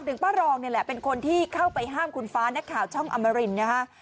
ป้ารองนี่แหละเป็นคนที่เข้าไปห้ามคุณฟ้านักข่าวช่องอมรินนะฮะ